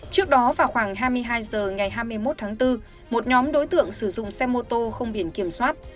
trước đó vào khoảng hai mươi hai h ngày hai mươi một tháng bốn một nhóm đối tượng sử dụng xe mô tô không biển kiểm soát